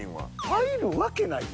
入るわけないやん。